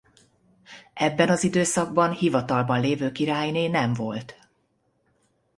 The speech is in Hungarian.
Ebben az időszakban hivatalban levő királyné nem volt.